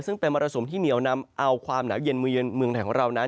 ซึ่งเป็นมาสุมที่เหนียวนำเอาความหนาวเย็นมือเย็นเมืองธรรมเรานั้น